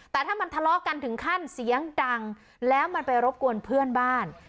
แต่ถ้ามันทะเลาะกันถึงขั้นเสียงดังแล้วมันไปรบกวนเพื่อนบ้าน